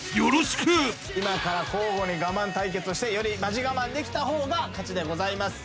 今から交互にガマン対決をしてよりマジガマンできた方が勝ちでございます。